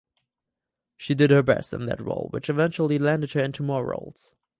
She did her best in that role which eventually landed her into more roles.